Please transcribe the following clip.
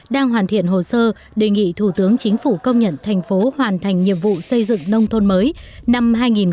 đang hoàn thiện hồ sơ đề nghị thủ tướng chính phủ công nhận thành phố hoàn thành nhiệm vụ xây dựng nông thôn mới năm hai nghìn một mươi tám